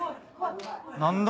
何だ？